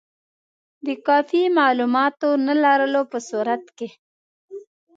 د کافي معلوماتو نه لرلو په صورت کې.